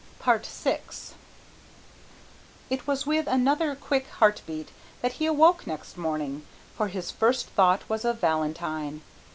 VI It was with another quick heart beat that he awoke next morning, for his first thought was of Valentine.